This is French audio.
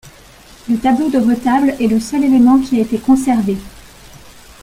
Le tableau de retable est le seul élément qui a été conservé.